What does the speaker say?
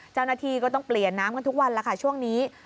เจ้าหน้าที่ก็ต้องเปลี่ยนน้ำกันทุกวันแล้วค่ะช่วงนี้